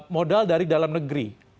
modal dari dalam negeri